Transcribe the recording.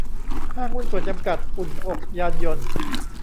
ห้างหุ้นส่วนจำกัด อุ่นอกยานยนต์